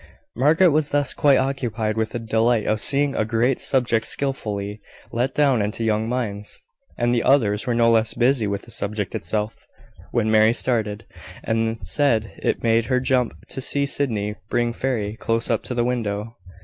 Margaret was thus quite occupied with the delight of seeing a great subject skilfully let down into young minds, and the others were no less busy with the subject itself, when Mary started, and said it made her jump to see Sydney bring Fairy close up to the window.